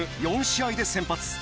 ４試合で先発。